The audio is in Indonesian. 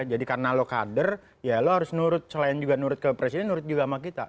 jadi karena lo kader ya lo harus selain juga menurut presiden menurut juga sama kita